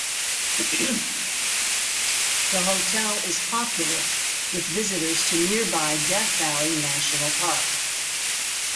The hotel is popular with visitors to nearby Death Valley National Park.